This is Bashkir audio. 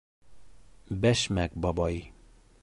БӘШМӘК БАБАЙ